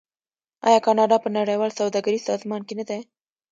آیا کاناډا په نړیوال سوداګریز سازمان کې نه دی؟